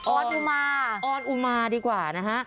ออนุมาร์ออนุมาร์ดีกว่านะครับ